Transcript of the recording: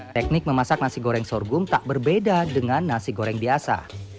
teknik memasak nasi goreng sorghum tak berbeda dengan nasi goreng biasa